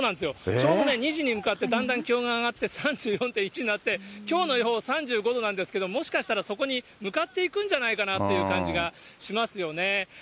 ちょうど２時に向かってだんだん気温が上がって、３４．１度になって、きょうの予報３５度なんですけど、もしかしたらそこに向かっていくんじゃないかなって気がしますよね。